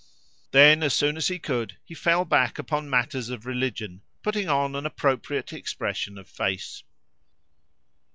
Then, as soon as he could, he fell back upon matters of religion, putting on an appropriate expression of face.